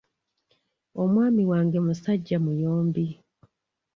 Omwami wange musajja muyombi.